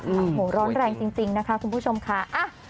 โอ้โหร้อนแรงจริงนะคะคุณผู้ชมค่ะ